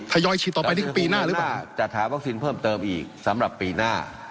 ทยอยฉีดต่อไปนี่คือปีหน้าหรือเปล่าจัดหาวัคซีนเพิ่มเติมอีกสำหรับปีหน้า